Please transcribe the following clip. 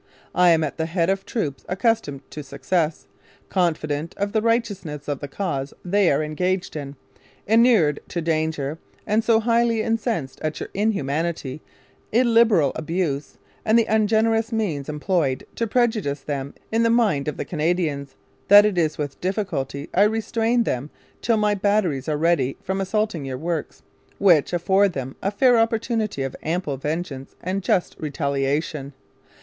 I am at the head of troops accustomed to Success, confident of the righteousness of the cause they are engaged in, inured to danger, & so highly incensed at your inhumanity, illiberal abuse, and the ungenerous means employed to prejudice them in the mind of the Canadians that it is with difficulty I restrain them till my Batteries are ready from assaulting your works, which afford them a fair opportunity of ample vengeance and just retaliation.